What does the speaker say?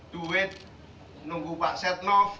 duit nunggu pak setnov